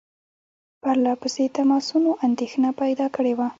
پرله پسې تماسونو اندېښنه پیدا کړې وه.